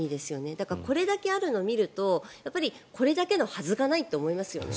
だから、これだけあるのを見るとこれだけのはずがないって思いますよね。